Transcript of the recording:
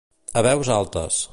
A veus altes.